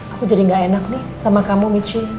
aku jadi gak enak nih sama kamu michi